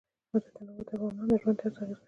تنوع د افغانانو د ژوند طرز اغېزمنوي.